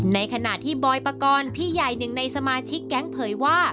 ในขณะที่บอยปกรณ์พี่ใหญ่หนึ่งในสมาชิกแก๊งเผยว่า